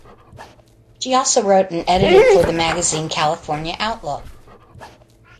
She also wrote and edited for the magazine "California Outlook".